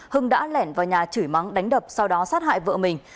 hưng đã lẻn vào nhà chửi mắng đánh đập sau đó sát hại vợ mình